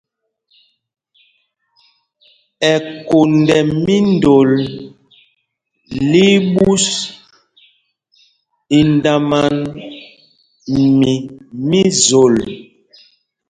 Ɛkond ɛ́ míndol lí í ɓūs, í ndáman mi mí Zol.